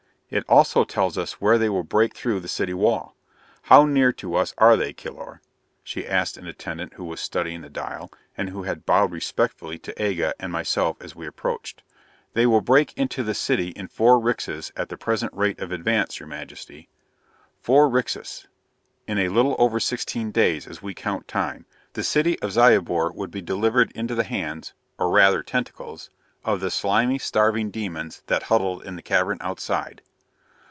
"It also tells us where they will break through the city wall. How near to us are they, Kilor?" she asked an attendant who was studying the dial, and who had bowed respectfully to Aga and myself as we approached. "They will break into the city in four rixas at the present rate of advance, Your Majesty." Four rixas! In a little over sixteen days, as we count time, the city of Zyobor would be delivered into the hands or, rather, tentacles of the slimy, starving demons that huddled in the cavern outside!